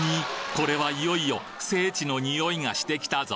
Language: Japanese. これはいよいよ聖地の匂いがしてきたぞ！